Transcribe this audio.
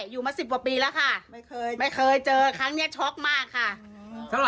๗๐๘๐อยู่มา๑๐ปีใช่อยู่มา๑๐ปีแล้วค่ะ